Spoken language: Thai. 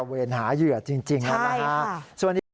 เวียนหายือจริงครับ